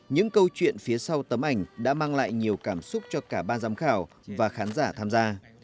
những câu chuyện phía sau tấm ảnh đã mang lại nhiều cảm xúc cho cả ba giám khảo và khán giả tham gia